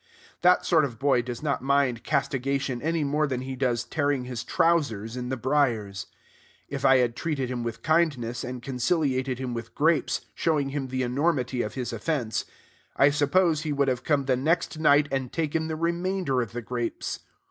That sort of boy does not mind castigation any more than he does tearing his trousers in the briers. If I had treated him with kindness, and conciliated him with grapes, showing him the enormity of his offense, I suppose he would have come the next night, and taken the remainder of the grapes.